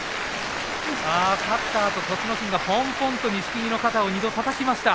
勝ったあと、栃ノ心がぽんぽんと錦木の肩を２度たたきました。